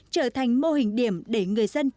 trở thành mô hình điểm để người dân trong tỉnh